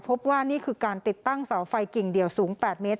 พบว่านี่คือการติดตั้งเสาไฟกิ่งเดี่ยวสูง๘เมตร